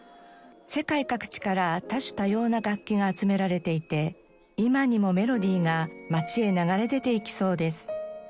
世界各地から多種多様な楽器が集められていて今にもメロディーが街へ流れ出ていきそうです。